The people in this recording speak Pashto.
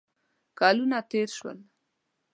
کلونه تېر شول.